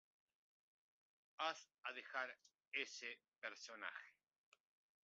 Ass a dejar ese personaje.